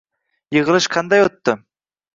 Yig'ilish qanday o'tdi?